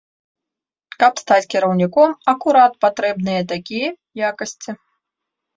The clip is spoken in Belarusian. Каб стаць кіраўніком акурат патрэбныя такія якасці.